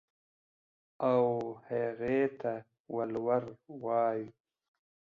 او هغې ته ولور وايو.